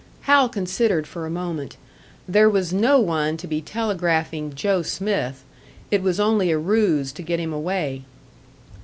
Hal considered for a moment. There was no one to be telegraphing Joe Smith. It was only a ruse to get him away.